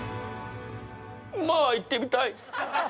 まあ行ってみたい！